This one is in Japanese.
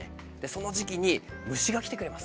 その時期に虫が来てくれます。